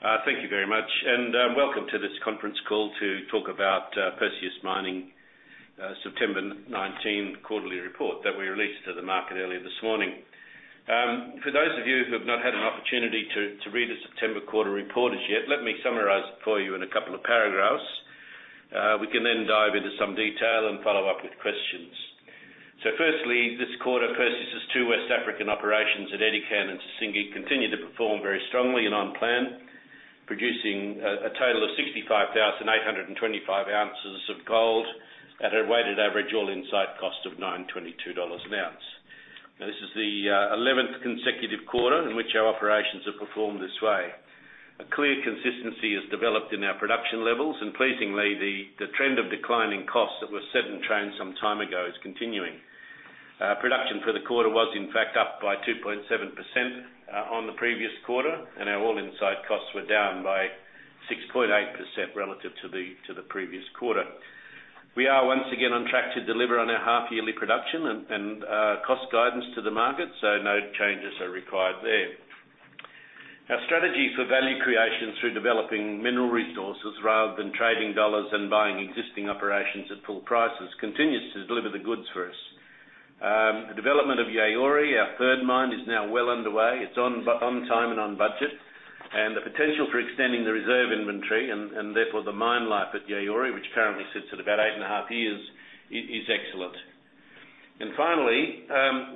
Thank you very much, and welcome to this conference call to talk about Perseus Mining's September 2019 quarterly report that we released to the market earlier this morning. For those of you who have not had an opportunity to read the September quarter report as yet, let me summarize it for you in a couple of paragraphs. We can then dive into some detail and follow up with questions. So firstly, this quarter, Perseus's two West African operations at Edikan and Sissingué continue to perform very strongly and on plan, producing a total of 65,825 ounces of gold at a weighted average all-in sustaining cost of $922 an ounce. Now, this is the 11th consecutive quarter in which our operations have performed this way. A clear consistency has developed in our production levels, and pleasingly, the trend of declining costs that were set in train some time ago is continuing. Production for the quarter was, in fact, up by 2.7% on the previous quarter, and our All-In Sustaining Costs were down by 6.8% relative to the previous quarter. We are once again on track to deliver on our half-yearly production and cost guidance to the market, so no changes are required there. Our strategy for value creation through developing mineral resources rather than trading dollars and buying existing operations at full prices continues to deliver the goods for us. The development of Yaouré, our third mine, is now well underway. It's on time and on budget, and the potential for extending the reserve inventory and therefore the mine life at Yaouré, which currently sits at about eight and a half years, is excellent. And finally,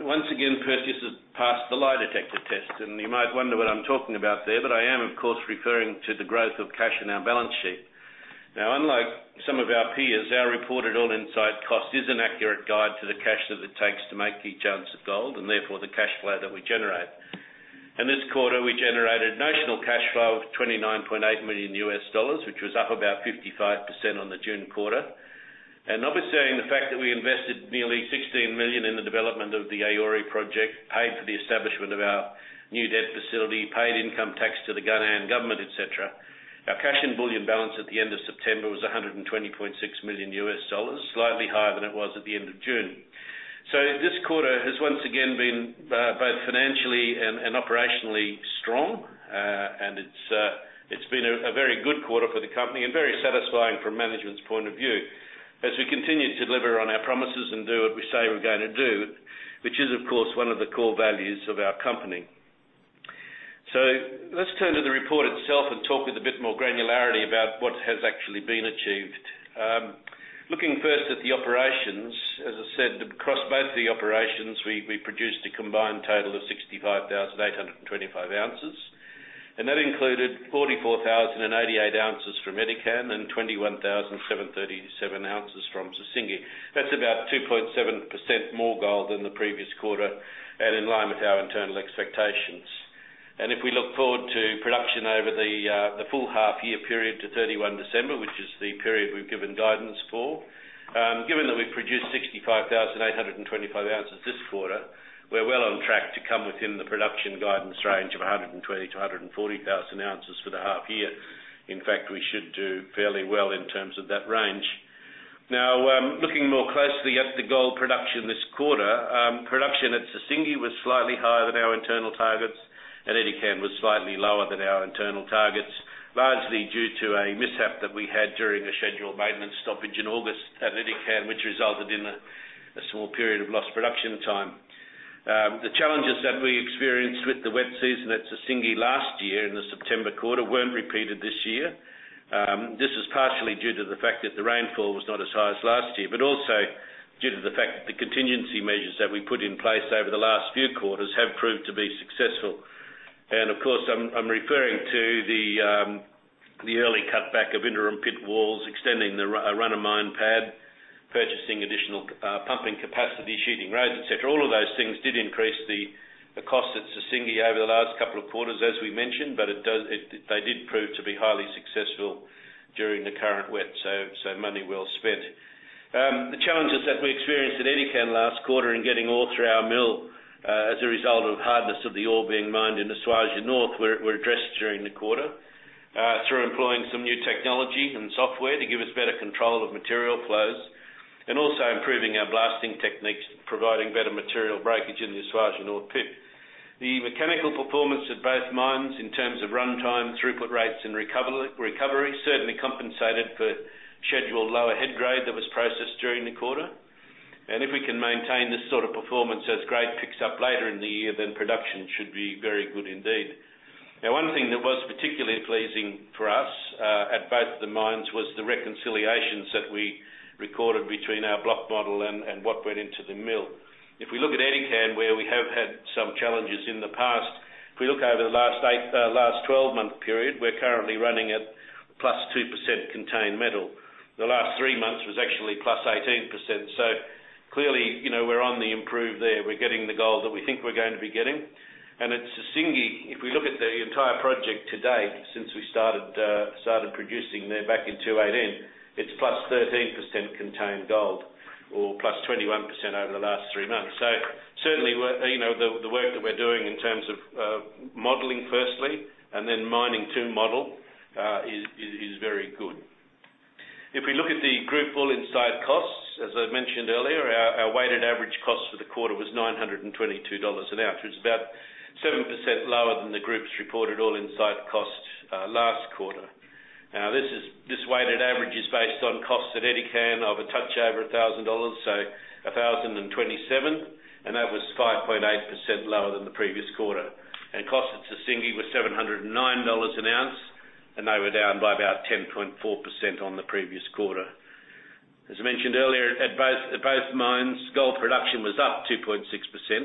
once again, Perseus has passed the lie detector test, and you might wonder what I'm talking about there, but I am, of course, referring to the growth of cash in our balance sheet. Now, unlike some of our peers, our reported all-in sustaining costs is an accurate guide to the cash that it takes to make each ounce of gold and therefore the cash flow that we generate. And this quarter, we generated notional cash flow of $29.8 million US dollars, which was up about 55% on the June quarter. And obviously, the fact that we invested nearly $16 million in the development of the Yaouré project, paid for the establishment of our new debt facility, paid income tax to the Ghanaian government, etc., our cash and bullion balance at the end of September was $120.6 million US dollars, slightly higher than it was at the end of June. This quarter has once again been both financially and operationally strong, and it's been a very good quarter for the company and very satisfying from management's point of view. As we continue to deliver on our promises and do what we say we're going to do, which is, of course, one of the core values of our company. Let's turn to the report itself and talk with a bit more granularity about what has actually been achieved. Looking first at the operations, as I said, across both the operations, we produced a combined total of 65,825 ounces, and that included 44,088 ounces from Edikan and 21,737 ounces from Sissingué. That's about 2.7% more gold than the previous quarter and in line with our internal expectations. If we look forward to production over the full half-year period to 31 December, which is the period we've given guidance for, given that we've produced 65,825 ounces this quarter, we're well on track to come within the production guidance range of 120,000-140,000 ounces for the half-year. In fact, we should do fairly well in terms of that range. Now, looking more closely at the gold production this quarter, production at Sissingué was slightly higher than our internal targets, and Edikan was slightly lower than our internal targets, largely due to a mishap that we had during a scheduled maintenance stoppage in August at Edikan, which resulted in a small period of lost production time. The challenges that we experienced with the wet season at Sissingué last year in the September quarter weren't repeated this year. This is partially due to the fact that the rainfall was not as high as last year, but also due to the fact that the contingency measures that we put in place over the last few quarters have proved to be successful. And of course, I'm referring to the early cutback of interim pit walls, extending the run-of-mine pad, purchasing additional pumping capacity, shooting roads, etc. All of those things did increase the cost at Sissingué over the last couple of quarters, as we mentioned, but they did prove to be highly successful during the current wet, so money well spent. The challenges that we experienced at Edikan last quarter in getting ore through our mill as a result of hardness of the ore being mined in the Esuajah North were addressed during the quarter through employing some new technology and software to give us better control of material flows and also improving our blasting techniques, providing better material breakage in the Esuajah North pit. The mechanical performance at both mines in terms of runtime, throughput rates, and recovery certainly compensated for scheduled lower head grade that was processed during the quarter, and if we can maintain this sort of performance as grade picks up later in the year, then production should be very good indeed. Now, one thing that was particularly pleasing for us at both the mines was the reconciliations that we recorded between our block model and what went into the mill. If we look at Edikan, where we have had some challenges in the past, if we look over the last 12-month period, we're currently running at +2% contained metal. The last three months was actually +18%. So clearly, we're on the improve there. We're getting the gold that we think we're going to be getting. And at Sissingué, if we look at the entire project today since we started producing there back in 2018, it's +13% contained gold or +21% over the last three months. So certainly, the work that we're doing in terms of modeling firstly and then mining to model is very good. If we look at the group all-in site costs, as I mentioned earlier, our weighted average cost for the quarter was $922 an ounce, which is about 7% lower than the group's reported all-in site cost last quarter. Now, this weighted average is based on costs at Edikan of a touch over $1,000, so $1,027, and that was 5.8% lower than the previous quarter. Costs at Sissingué were $709 an ounce, and they were down by about 10.4% on the previous quarter. As mentioned earlier, at both mines, gold production was up 2.6%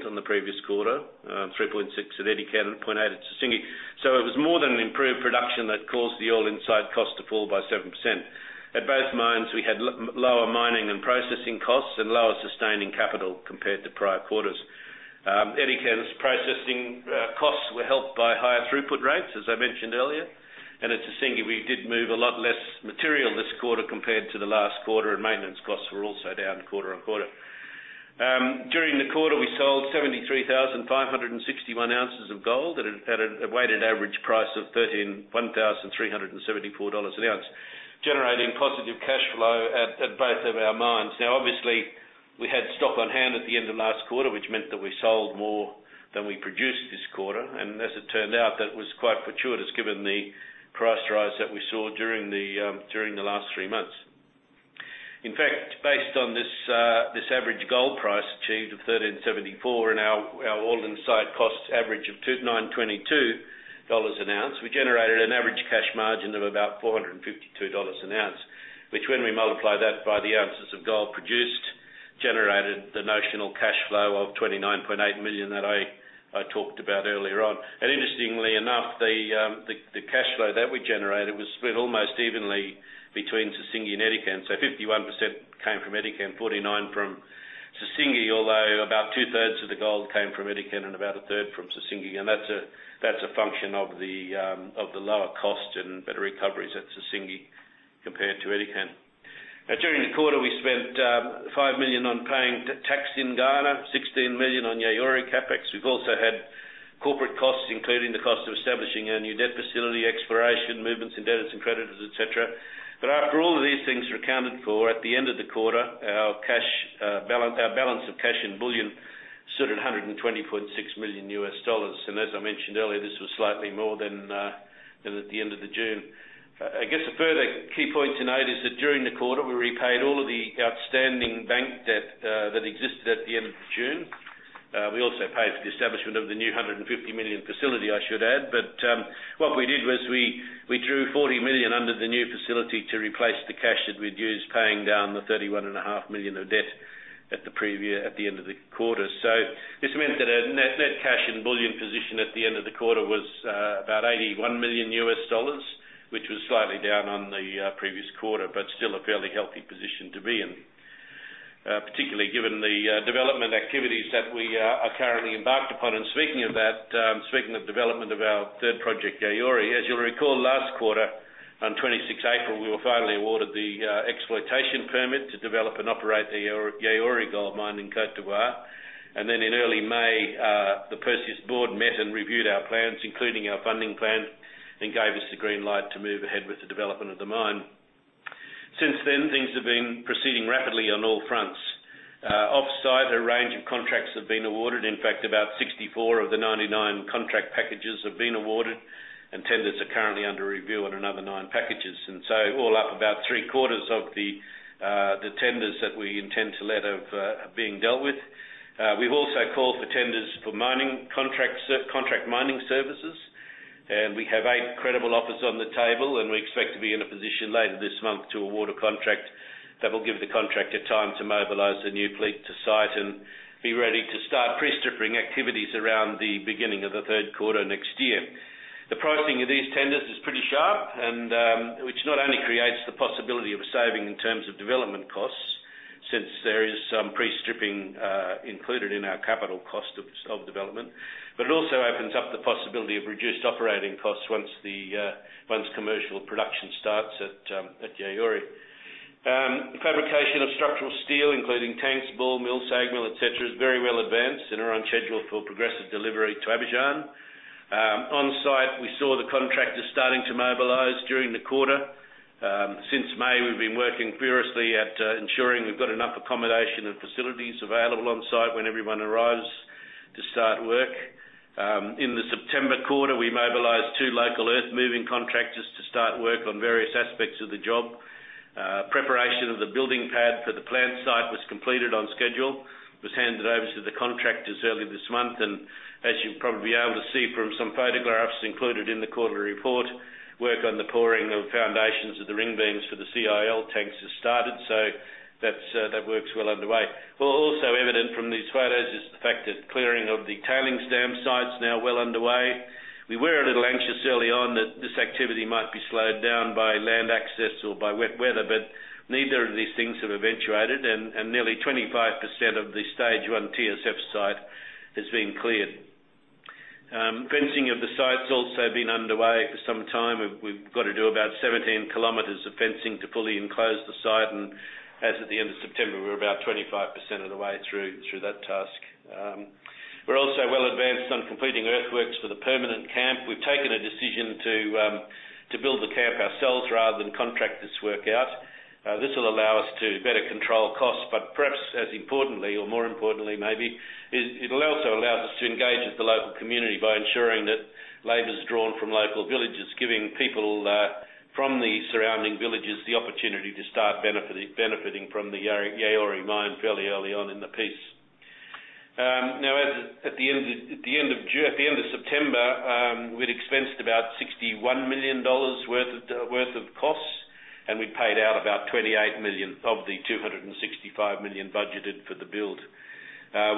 on the previous quarter, 3.6% at Edikan and 0.8% at Sissingué. It was more than an improved production that caused the all-in sustaining cost to fall by 7%. At both mines, we had lower mining and processing costs and lower sustaining capital compared to prior quarters. Edikan's processing costs were helped by higher throughput rates, as I mentioned earlier. At Sissingué, we did move a lot less material this quarter compared to the last quarter, and maintenance costs were also down quarter on quarter. During the quarter, we sold 73,561 ounces of gold at a weighted average price of $1,374 an ounce, generating positive cash flow at both of our mines. Now, obviously, we had stock on hand at the end of last quarter, which meant that we sold more than we produced this quarter. And as it turned out, that was quite fortuitous given the price rise that we saw during the last three months. In fact, based on this average gold price achieved of $1,374 and our all-in sustaining costs average of $922 an ounce, we generated an average cash margin of about $452 an ounce, which when we multiply that by the ounces of gold produced, generated the notional cash flow of $29.8 million that I talked about earlier on. And interestingly enough, the cash flow that we generated was split almost evenly between Sissingué and Edikan. 51% came from Edikan, 49% from Sissingué, although about two-thirds of the gold came from Edikan and about a third from Sissingué. And that's a function of the lower cost and better recoveries at Sissingué compared to Edikan. Now, during the quarter, we spent $5 million on paying tax in Ghana, $16 million on Yaouré CapEx. We've also had corporate costs, including the cost of establishing a new debt facility, exploration, movements in debtors, and creditors, etc. But after all of these things were accounted for, at the end of the quarter, our balance of cash and bullion stood at $120.6 million. And as I mentioned earlier, this was slightly more than at the end of June. I guess a further key point to note is that during the quarter, we repaid all of the outstanding bank debt that existed at the end of June. We also paid for the establishment of the new $150 million facility, I should add. But what we did was we drew $40 million under the new facility to replace the cash that we'd used paying down the $31.5 million of debt at the end of the quarter. So this meant that our net cash and bullion position at the end of the quarter was about $81 million US dollars, which was slightly down on the previous quarter, but still a fairly healthy position to be in, particularly given the development activities that we are currently embarked upon. And speaking of that, speaking of development of our third project, Yaouré, as you'll recall, last quarter, on 26 April, we were finally awarded the exploitation permit to develop and operate the Yaouré Gold Mine in Côte d'Ivoire. And then in early May, the Perseus board met and reviewed our plans, including our funding plan, and gave us the green light to move ahead with the development of the mine. Since then, things have been proceeding rapidly on all fronts. Off-site, a range of contracts have been awarded. In fact, about 64 of the 99 contract packages have been awarded, and tenders are currently under review on another nine packages. And so all up, about three-quarters of the tenders that we intend to let have been dealt with. We've also called for tenders for contract mining services, and we have eight credible offers on the table, and we expect to be in a position later this month to award a contract that will give the contractor time to mobilise a new fleet to site and be ready to start pre-stripping activities around the beginning of the third quarter next year. The pricing of these tenders is pretty sharp, which not only creates the possibility of a saving in terms of development costs since there is some pre-stripping included in our capital cost of development, but it also opens up the possibility of reduced operating costs once commercial production starts at Yaouré. Fabrication of structural steel, including tanks, ball mill, SAG mill, etc., is very well advanced and are on schedule for progressive delivery to Abidjan. On-site, we saw the contractors starting to mobilise during the quarter. Since May, we've been working furiously at ensuring we've got enough accommodation and facilities available on-site when everyone arrives to start work. In the September quarter, we mobilized two local earth-moving contractors to start work on various aspects of the job. Preparation of the building pad for the plant site was completed on schedule, was handed over to the contractors early this month, and as you'll probably be able to see from some photographs included in the quarterly report, work on the pouring of foundations of the ring beams for the CIL tanks has started. So that's well underway. What's also evident from these photos is the fact that clearing of the tailings storage facility is now well underway. We were a little anxious early on that this activity might be slowed down by land access or by wet weather, but neither of these things have eventuated, and nearly 25% of the stage one TSF site has been cleared. Fencing of the site has also been underway for some time. We've got to do about 17 kilometers of fencing to fully enclose the site, and as at the end of September, we're about 25% of the way through that task. We're also well advanced on completing earthworks for the permanent camp. We've taken a decision to build the camp ourselves rather than contract this work out. This will allow us to better control costs, but perhaps as importantly, or more importantly maybe, it also allows us to engage with the local community by ensuring that labor is drawn from local villages, giving people from the surrounding villages the opportunity to start benefiting from the Yaouré mine fairly early on in the piece. Now, at the end of September, we'd expensed about $61 million worth of costs, and we'd paid out about $28 million of the $265 million budgeted for the build.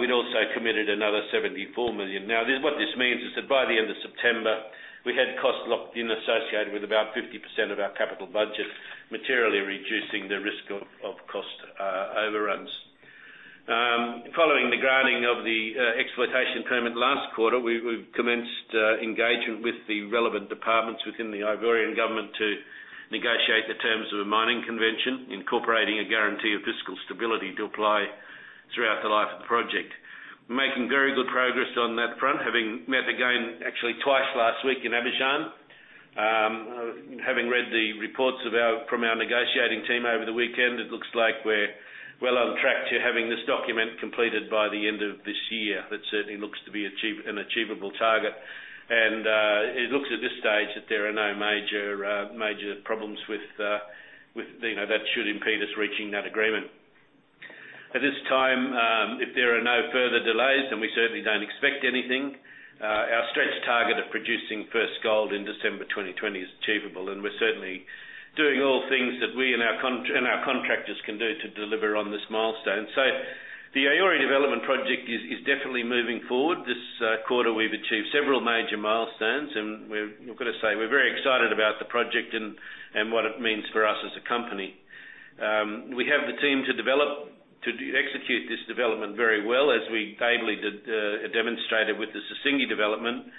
We'd also committed another $74 million. Now, what this means is that by the end of September, we had costs locked in associated with about 50% of our capital budget, materially reducing the risk of cost overruns. Following the granting of the exploitation permit last quarter, we've commenced engagement with the relevant departments within the Ivorian government to negotiate the terms of a mining convention, incorporating a guarantee of fiscal stability to apply throughout the life of the project. We're making very good progress on that front, having met again actually twice last week in Abidjan. Having read the reports from our negotiating team over the weekend, it looks like we're well on track to having this document completed by the end of this year. That certainly looks to be an achievable target. And it looks at this stage that there are no major problems that should impede us reaching that agreement. At this time, if there are no further delays, then we certainly don't expect anything. Our stretch target of producing first gold in December 2020 is achievable, and we're certainly doing all things that we and our contractors can do to deliver on this milestone. So the Yaouré development project is definitely moving forward. This quarter, we've achieved several major milestones, and I've got to say we're very excited about the project and what it means for us as a company. We have the team to execute this development very well, as we ably demonstrated with the Sissingué development.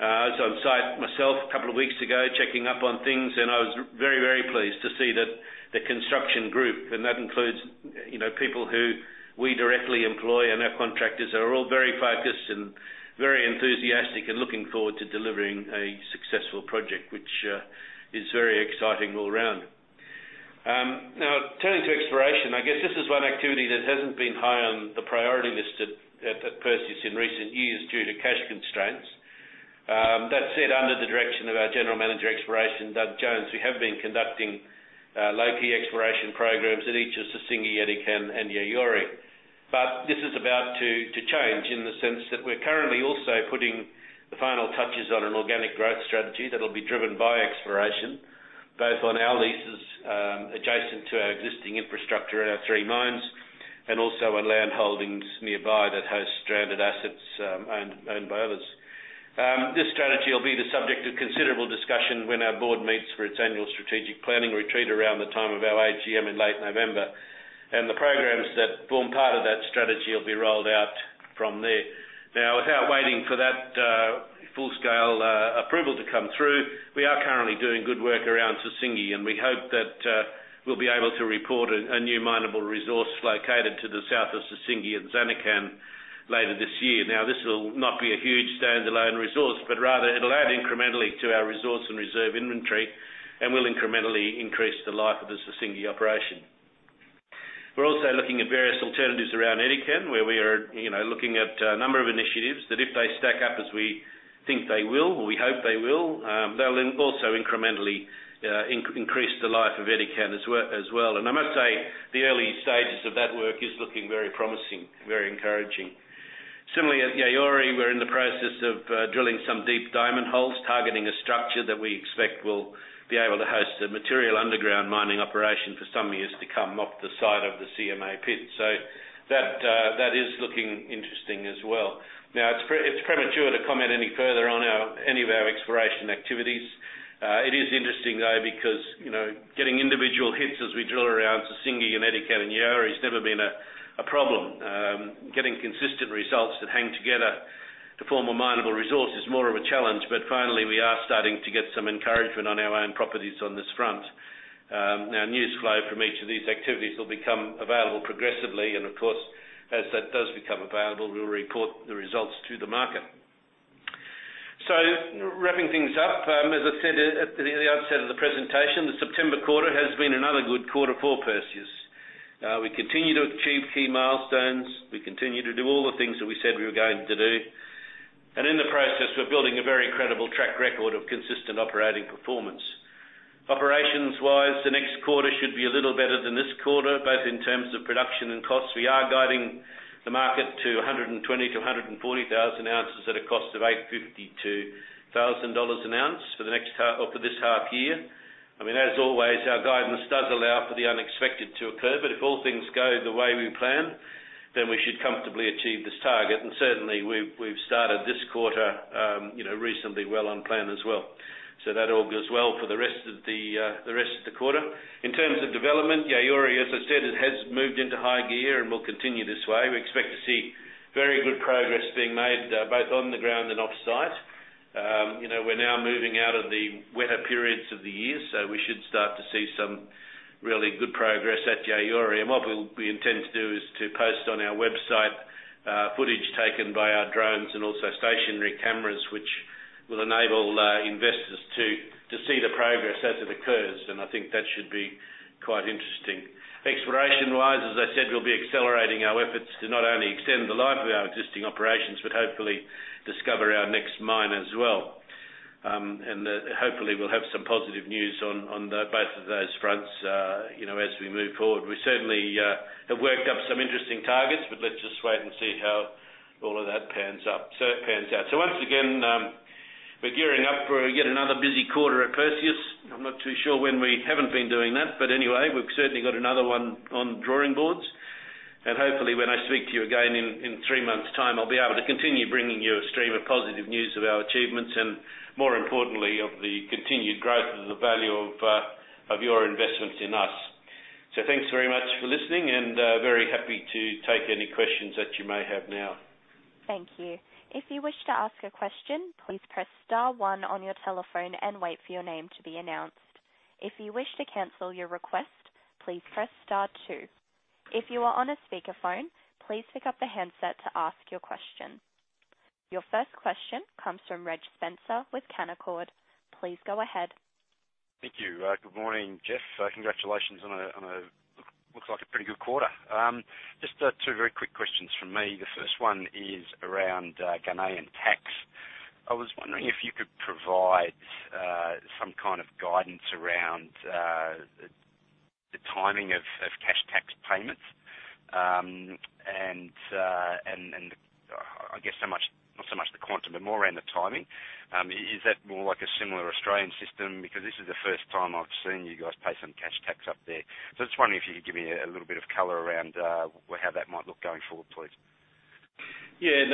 I was on site myself a couple of weeks ago checking up on things, and I was very, very pleased to see that the construction group, and that includes people who we directly employ and our contractors, are all very focused and very enthusiastic and looking forward to delivering a successful project, which is very exciting all around. Now, turning to exploration, I guess this is one activity that hasn't been high on the priority list at Perseus in recent years due to cash constraints. That said, under the direction of our General Manager, Exploration, Doug Jones, we have been conducting low-key exploration programs at each of Sissingué, Edikan, and Yaouré. But this is about to change in the sense that we're currently also putting the final touches on an organic growth strategy that will be driven by exploration, both on our leases adjacent to our existing infrastructure at our three mines and also on land holdings nearby that host stranded assets owned by others. This strategy will be the subject of considerable discussion when our board meets for its annual strategic planning retreat around the time of our AGM in late November. And the programs that form part of that strategy will be rolled out from there. Now, without waiting for that full-scale approval to come through, we are currently doing good work around Sissingué, and we hope that we'll be able to report a new minable resource located to the south of Sissingué and Zanikan later this year. Now, this will not be a huge standalone resource, but rather it'll add incrementally to our resource and reserve inventory, and will incrementally increase the life of the Sissingué operation. We're also looking at various alternatives around Edikan, where we are looking at a number of initiatives that if they stack up as we think they will, or we hope they will, they'll also incrementally increase the life of Edikan as well. I must say the early stages of that work is looking very promising, very encouraging. Similarly, at Yaouré, we're in the process of drilling some deep diamond holes, targeting a structure that we expect will be able to host a material underground mining operation for some years to come off the side of the CMA pit. So that is looking interesting as well. Now, it's premature to comment any further on any of our exploration activities. It is interesting, though, because getting individual hits as we drill around Sissingué and Edikan and Yaouré has never been a problem. Getting consistent results that hang together to form a minable resource is more of a challenge, but finally, we are starting to get some encouragement on our own properties on this front. Now, news flow from each of these activities will become available progressively, and of course, as that does become available, we'll report the results to the market. So wrapping things up, as I said at the outset of the presentation, the September quarter has been another good quarter for Perseus. We continue to achieve key milestones. We continue to do all the things that we said we were going to do. And in the process, we're building a very credible track record of consistent operating performance. Operations-wise, the next quarter should be a little better than this quarter, both in terms of production and costs. We are guiding the market to 120,000-140,000 ounces at a cost of $852 an ounce for this half year. I mean, as always, our guidance does allow for the unexpected to occur, but if all things go the way we plan, then we should comfortably achieve this target. And certainly, we've started this quarter reasonably well on plan as well. So that all goes well for the rest of the quarter. In terms of development, Yaouré, as I said, has moved into high gear and will continue this way. We expect to see very good progress being made both on the ground and off-site. We're now moving out of the wetter periods of the year, so we should start to see some really good progress at Yaouré. And what we intend to do is to post on our website footage taken by our drones and also stationary cameras, which will enable investors to see the progress as it occurs. And I think that should be quite interesting. Exploration-wise, as I said, we'll be accelerating our efforts to not only extend the life of our existing operations, but hopefully discover our next mine as well. And hopefully, we'll have some positive news on both of those fronts as we move forward. We certainly have worked up some interesting targets, but let's just wait and see how all of that pans out. So once again, we're gearing up for yet another busy quarter at Perseus. I'm not too sure when we haven't been doing that, but anyway, we've certainly got another one on the drawing boards. And hopefully, when I speak to you again in three months' time, I'll be able to continue bringing you a stream of positive news of our achievements and, more importantly, of the continued growth of the value of your investments in us. So thanks very much for listening, and very happy to take any questions that you may have now. Thank you. If you wish to ask a question, please press star one on your telephone and wait for your name to be announced. If you wish to cancel your request, please press star two. If you are on a speakerphone, please pick up the handset to ask your question. Your first question comes from Reg Spencer with Canaccord. Please go ahead. Thank you. Good morning, Jeff. Congratulations on what looks like a pretty good quarter. Just two very quick questions from me. The first one is around Ghanaian tax. I was wondering if you could provide some kind of guidance around the timing of cash tax payments and, I guess, not so much the quantum, but more around the timing. Is that more like a similar Australian system? Because this is the first time I've seen you guys pay some cash tax up there. So I just wonder if you could give me a little bit of color around how that might look going forward, please. Yeah.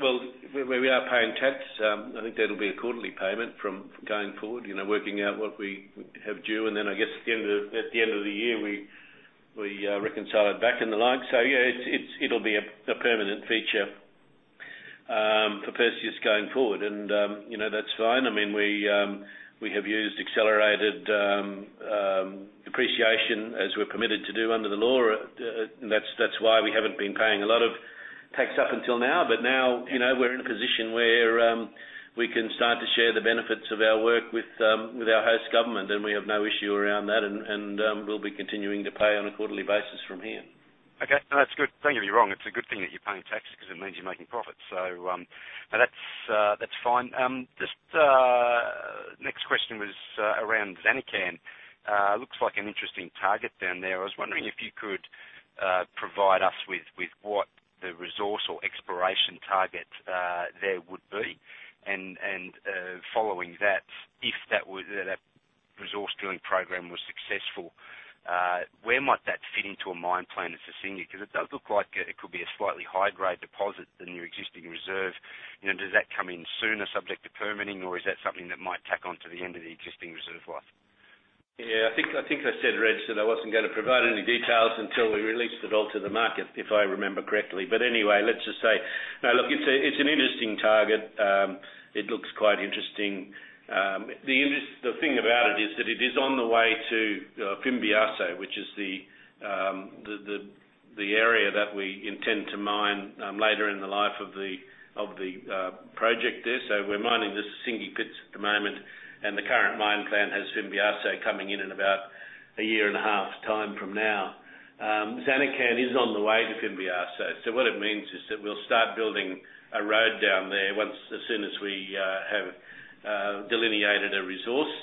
Well, we are paying tax. I think that'll be a quarterly payment going forward, working out what we have due. And then, I guess, at the end of the year, we reconcile it back and the like. So yeah, it'll be a permanent feature for Perseus going forward, and that's fine. I mean, we have used accelerated depreciation as we're permitted to do under the law. That's why we haven't been paying a lot of tax up until now. But now we're in a position where we can start to share the benefits of our work with our host government, and we have no issue around that, and we'll be continuing to pay on a quarterly basis from here. Okay. That's good. Don't get me wrong. It's a good thing that you're paying tax because it means you're making profits. So that's fine. Just the next question was around Zaninkan. Looks like an interesting target down there. I was wondering if you could provide us with what the resource or exploration target there would be. And following that, if that resource drilling program was successful, where might that fit into a mine plan at Sissingué? Because it does look like it could be a slightly higher-grade deposit than your existing reserve. Does that come in sooner, subject to permitting, or is that something that might tack on to the end of the existing reserve life? Yeah. I think I said, Reg, that I wasn't going to provide any details until we released it all to the market, if I remember correctly. But anyway, let's just say, look, it's an interesting target. It looks quite interesting. The thing about it is that it is on the way to Fimbiasso, which is the area that we intend to mine later in the life of the project there. So we're mining the Sissingué pits at the moment, and the current mine plan has Fimbiasso coming in in about a year and a half time from now. Zaninkan is on the way to Fimbiasso. So what it means is that we'll start building a road down there as soon as we have delineated a resource,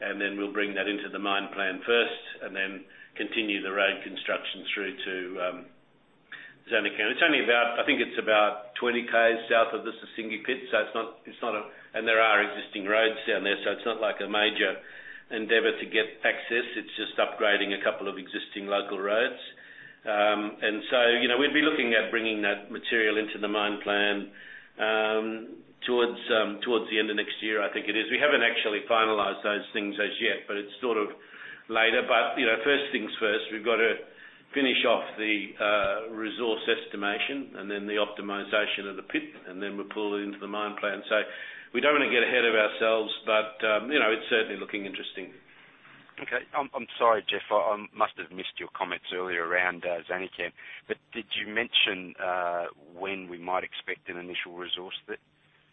and then we'll bring that into the mine plan first and then continue the road construction through to Zaninkan. It's only about, I think it's about 20 km south of the Sissingué pits, so it's not a—and there are existing roads down there, so it's not like a major endeavor to get access. It's just upgrading a couple of existing local roads. And so we'd be looking at bringing that material into the mine plan towards the end of next year, I think it is. We haven't actually finalized those things as yet, but it's sort of later. But first things first, we've got to finish off the resource estimation and then the optimization of the pit, and then we'll pull it into the mine plan. So we don't want to get ahead of ourselves, but it's certainly looking interesting. Okay. I'm sorry, Jeff. I must have missed your comments earlier around Zaninkan. But did you mention when we might expect an initial resource?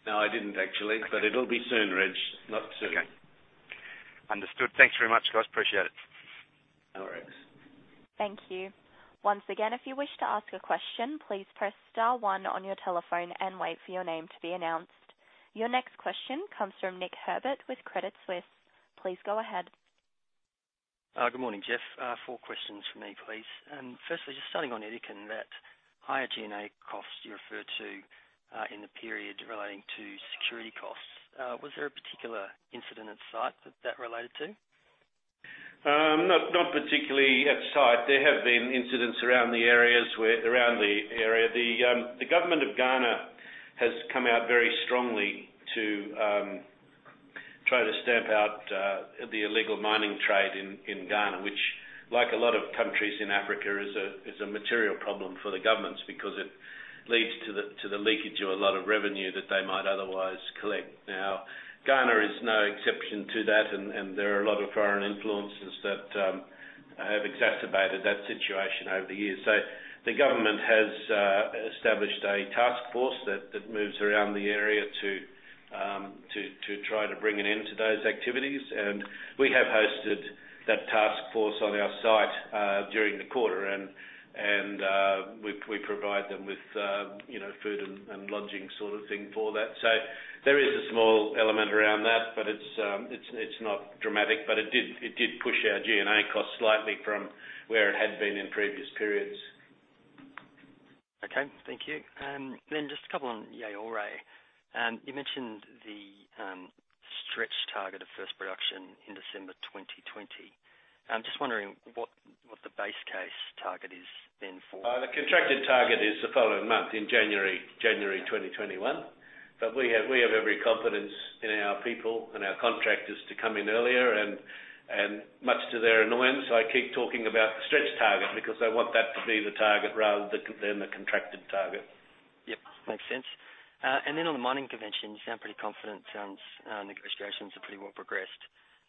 No, I didn't, actually. But it'll be soon, Reg. Not soon. Okay. Understood. Thanks very much, guys. Appreciate it. All right. Thank you. Once again, if you wish to ask a question, please press star one on your telephone and wait for your name to be announced. Your next question comes from Nick Herbert with Credit Suisse. Please go ahead. Good morning, Jeff. Four questions for me, please. Firstly, just starting on Edikan, that higher G&A cost you referred to in the period relating to security costs, was there a particular incident at site that related to? Not particularly on site. There have been incidents around the area. The government of Ghana has come out very strongly to try to stamp out the illegal mining trade in Ghana, which, like a lot of countries in Africa, is a material problem for the governments because it leads to the leakage of a lot of revenue that they might otherwise collect. Now, Ghana is no exception to that, and there are a lot of foreign influences that have exacerbated that situation over the years. So the government has established a task force that moves around the area to try to bring an end to those activities. And we have hosted that task force on our site during the quarter, and we provide them with food and lodging sort of thing for that. So there is a small element around that, but it's not dramatic. But it did push our G&A costs slightly from where it had been in previous periods. Okay. Thank you. Then just a couple on Yaouré. You mentioned the stretch target of first production in December 2020. I'm just wondering what the base case target is then for? The contracted target is the following month, in January 2021. But we have every confidence in our people and our contractors to come in earlier. And much to their annoyance, I keep talking about the stretch target because they want that to be the target rather than the contracted target. Yep. Makes sense, and then on the mining convention, you sound pretty confident negotiations have pretty well progressed.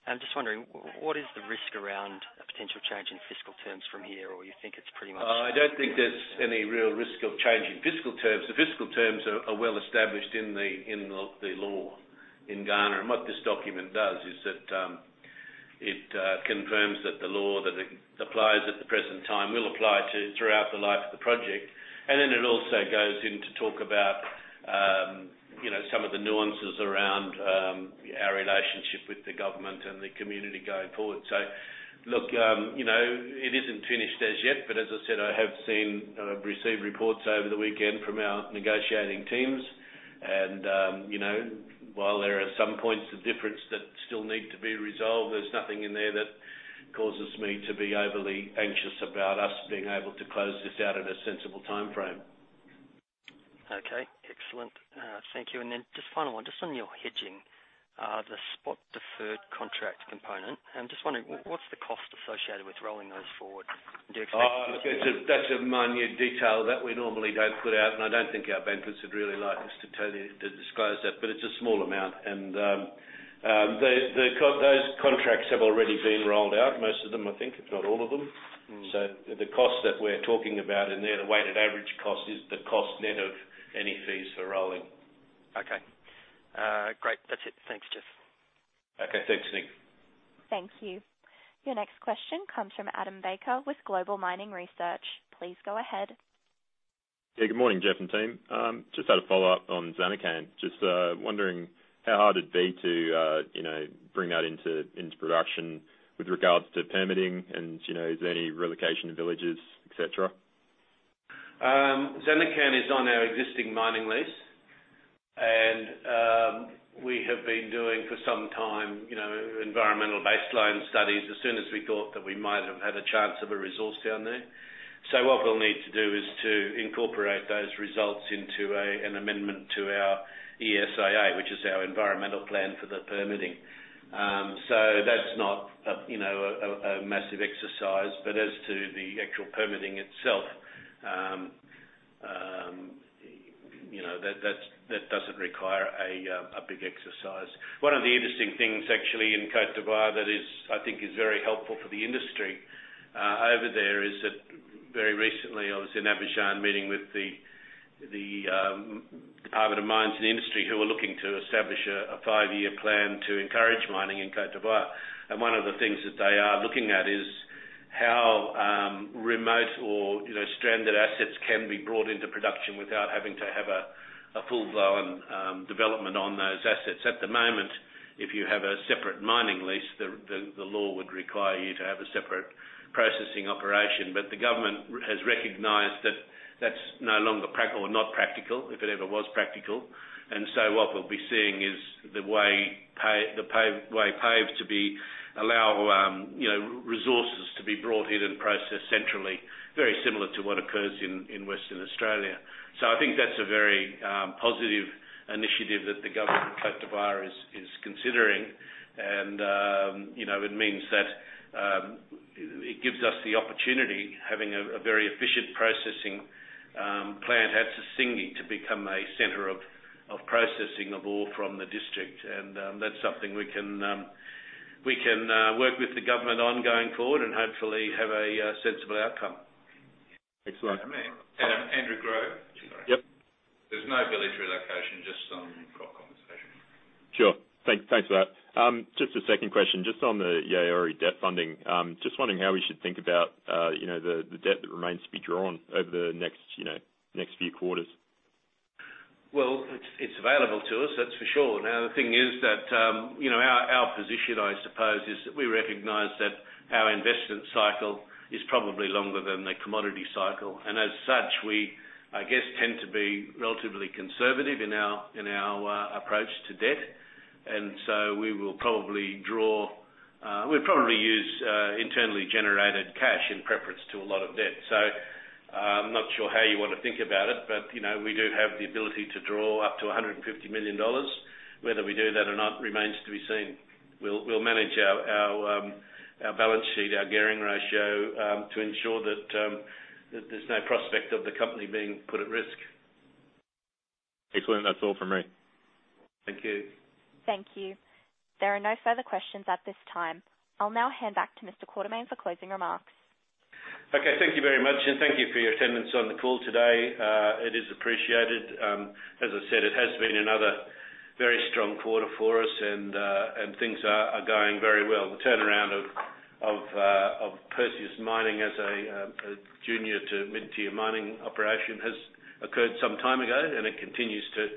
I'm just wondering, what is the risk around a potential change in fiscal terms from here, or you think it's pretty much? I don't think there's any real risk of change in fiscal terms. The fiscal terms are well established in the law in Ghana. And what this document does is that it confirms that the law that applies at the present time will apply throughout the life of the project. And then it also goes in to talk about some of the nuances around our relationship with the government and the community going forward. So look, it isn't finished as yet, but as I said, I have seen and I've received reports over the weekend from our negotiating teams. And while there are some points of difference that still need to be resolved, there's nothing in there that causes me to be overly anxious about us being able to close this out in a sensible timeframe. Okay. Excellent. Thank you. And then just final one. Just on your hedging, the spot-deferred contract component, I'm just wondering, what's the cost associated with rolling those forward? Do you expect to? That's a minor detail that we normally don't put out, and I don't think our bankers would really like us to disclose that, but it's a small amount. And those contracts have already been rolled out, most of them, I think, if not all of them. So the cost that we're talking about in there, the weighted average cost, is the cost net of any fees for rolling. Okay. Great. That's it. Thanks, Jeff. Okay. Thanks, Nick. Thank you. Your next question comes from Adam Baker with Global Mining Research. Please go ahead. Yeah. Good morning, Jeff and team. Just had a follow-up on Zaninkan. Just wondering how hard it'd be to bring that into production with regards to permitting and is there any relocation of villages, etc.? Zaninkan is on our existing mining lease, and we have been doing for some time environmental baseline studies as soon as we thought that we might have had a chance of a resource down there. So what we'll need to do is to incorporate those results into an amendment to our ESIA, which is our environmental plan for the permitting. So that's not a massive exercise. But as to the actual permitting itself, that doesn't require a big exercise. One of the interesting things, actually, in Côte d'Ivoire that I think is very helpful for the industry over there is that very recently, I was in Abidjan meeting with the Department of Mines and Industry who were looking to establish a five-year plan to encourage mining in Côte d'Ivoire. One of the things that they are looking at is how remote or stranded assets can be brought into production without having to have a full-blown development on those assets. At the moment, if you have a separate mining lease, the law would require you to have a separate processing operation. The government has recognized that that's no longer practical or not practical, if it ever was practical. What we'll be seeing is the way paved to allow resources to be brought in and processed centrally, very similar to what occurs in Western Australia. I think that's a very positive initiative that the government of Côte d'Ivoire is considering. It means that it gives us the opportunity, having a very efficient processing plant at Sissingué, to become a center of processing of ore from the district. That's something we can work with the government on going forward and hopefully have a sensible outcome. Excellent. And Andrew Grove. There's no village relocation, just some crop compensation. Sure. Thanks for that. Just a second question. Just on the Yaouré debt funding, just wondering how we should think about the debt that remains to be drawn over the next few quarters? It's available to us, that's for sure. Now, the thing is that our position, I suppose, is that we recognize that our investment cycle is probably longer than the commodity cycle. And as such, we, I guess, tend to be relatively conservative in our approach to debt. And so we will probably use internally generated cash in preference to a lot of debt. So I'm not sure how you want to think about it, but we do have the ability to draw up to $150 million. Whether we do that or not remains to be seen. We'll manage our balance sheet, our gearing ratio to ensure that there's no prospect of the company being put at risk. Excellent. That's all from me. Thank you. Thank you. There are no further questions at this time. I'll now hand back to Mr. Quartermaine for closing remarks. Okay. Thank you very much, and thank you for your attendance on the call today. It is appreciated. As I said, it has been another very strong quarter for us, and things are going very well. The turnaround of Perseus Mining as a junior to mid-tier mining operation has occurred some time ago, and it continues to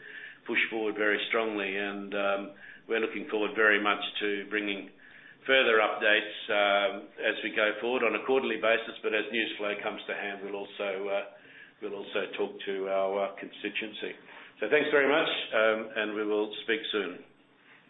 push forward very strongly. And we're looking forward very much to bringing further updates as we go forward on a quarterly basis. But as news flow comes to hand, we'll also talk to our constituency. So thanks very much, and we will speak soon.